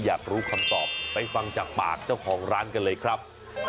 อยากรู้คำตอบไปฟังจากปากเจ้าของร้านกันเลยครับ